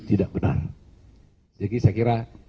tidak benar jadi saya kira